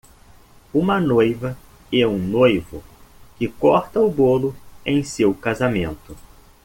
Uma noiva e um noivo que corta o bolo em seu casamento.